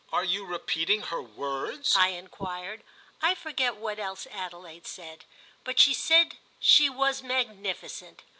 "Are you repeating her words?" I enquired. I forget what else Adelaide said, but she said she was magnificent.